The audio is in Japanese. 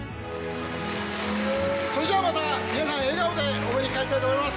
それじゃあまた皆さん笑顔でお目にかかりたいと思います。